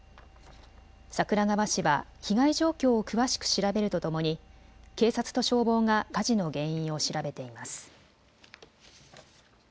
桜川市は被害状況を詳しく調べるとともに警察と消防が火事の原因を調べています。